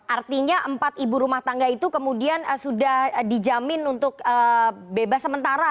artinya empat ibu rumah tangga itu kemudian sudah dijamin untuk bebas sementara